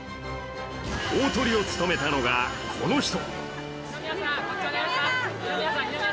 大トリを務めたのが、この人。